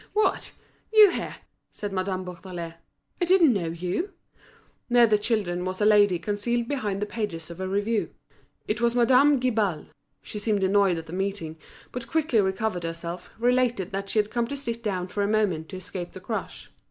"What! you here!" said Madame Bourdelais. "I didn't know you." Near the children was a lady concealed behind the pages of a review. It was Madame Guibal She seemed annoyed at the meeting; but quickly recovering herself, related that she had come to sit down for a moment to escape the crush.